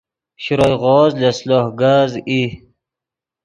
شروئے غوز لس لوہ کز ای